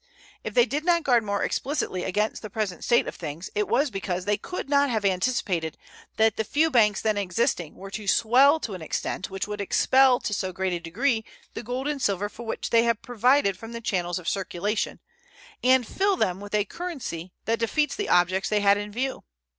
If they did not guard more explicitly against the present state of things, it was because they could not have anticipated that the few banks then existing were to swell to an extent which would expel to so great a degree the gold and silver for which they had provided from the channels of circulation, and fill them with a currency that defeats the objects they had in view.